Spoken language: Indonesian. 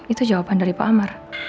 itu jawaban dari pak amar